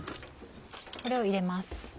これを入れます。